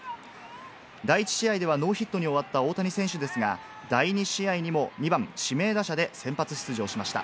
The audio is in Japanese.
第１試合ではノーヒットに終わった大谷選手ですが、第２試合にも２番・指名打者で先発出場しました。